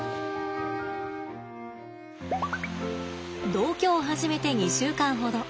同居を始めて２週間ほど。